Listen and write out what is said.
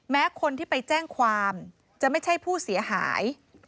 แม้คนที่ไปแจ้งความจะไม่ใช่ผู้เสียหาย